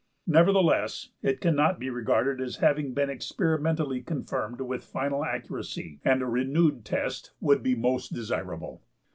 Nevertheless it cannot be regarded as having been experimentally confirmed with final accuracy, and a renewed test would be most desirable(14).